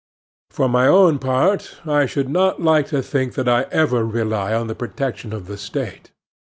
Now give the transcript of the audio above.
For my own part, I should not like to think that I ever rely on the protection of the State.